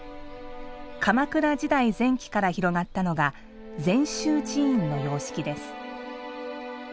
鎌倉時代前期から広がったのが禅宗寺院の様式です。